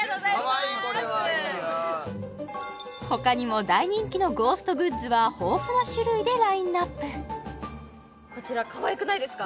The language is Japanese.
かわいいこれは他にも大人気のゴーストグッズは豊富な種類でラインナップこちらかわいくないですか？